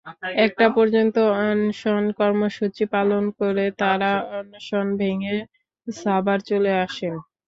একটা পর্যন্ত অনশন কর্মসূচি পালন করে তাঁরা অনশন ভেঙে সাভার চলে আসেন।